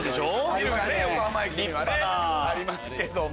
ビルが横浜駅にはありますけど。